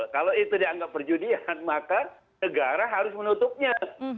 kalau itu dianggap perjudian maka negara harus menutupnya